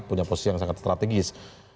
punya posisi yang sangat strategis